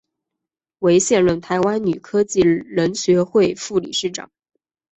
为现任台湾女科技人学会副理事长。